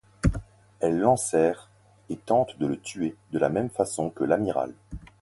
Elle l’enserre et tente de le tuer de la même façon que l’amiral.